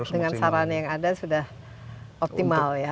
dengan saran yang ada sudah optimal ya